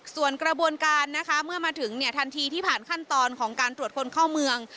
ส่วนกระบวนการนะคะเมื่อมาถึงเนี่ยทันทีที่ผ่านขั้นตอนของการตรวจคนเข้าเมือง